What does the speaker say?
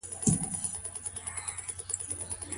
په بل حديث شريف کي څه فرمايل سوي دي؟